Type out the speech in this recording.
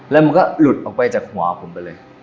แล้วมันก็หลุดออกไปจากหัวผมไปเลย